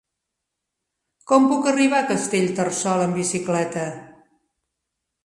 Com puc arribar a Castellterçol amb bicicleta?